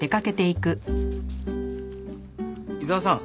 伊沢さん